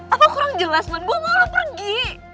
apa kurang jelas nuan gue mau lo pergi